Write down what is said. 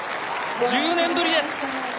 １０年ぶりです。